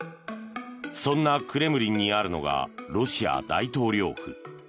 そんなクレムリンにあるのがロシア大統領府。